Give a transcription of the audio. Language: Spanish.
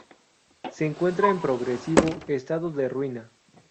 Se encuentra en progresivo estado de ruina.